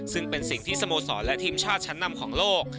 ซึ่งเป็นสิ่งที่สโมสรและทีมชาติชั้นนำของโลก